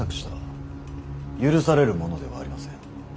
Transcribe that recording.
許されるものではありません。